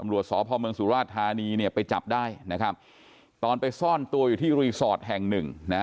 สพเมืองสุราชธานีเนี่ยไปจับได้นะครับตอนไปซ่อนตัวอยู่ที่รีสอร์ทแห่งหนึ่งนะ